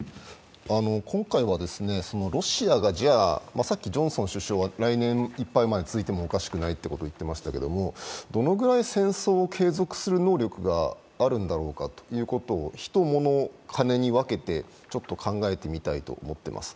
今回はロシアが、さっきジョンソン首相は来年いっぱいまで続いてもおかしくないと言っていましたけど、どのぐらい戦争を継続する能力があるんだろうかということをヒト・モノ・カネに分けてちょっと考えてみたいと思っています。